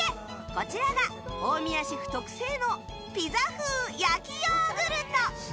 こちらが大宮シェフ特製のピザ風焼きヨーグルト。